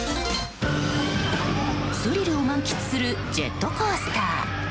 スリルを満喫するジェットコースター。